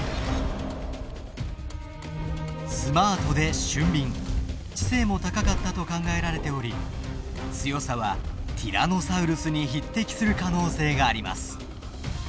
スマートで俊敏知性も高かったと考えられており強さはティラノサウルスに匹敵する可能性があります。